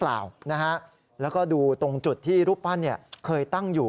แล้วก็ดูตรงจุดที่รูปปั้นเคยตั้งอยู่